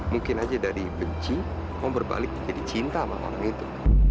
mungkin aja dari benci mau berbalik jadi cinta sama orang itu